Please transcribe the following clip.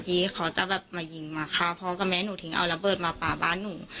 พี่เขาจะแบบมายิงมาฆ่าพ่อกับแม่หนูทิ้งเอาระเบิดมาป่าบ้านหนู